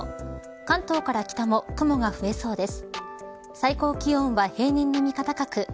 関東から北も雲が増えそうです。